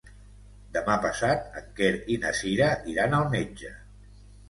Demà passat en Quer i na Cira iran al metge.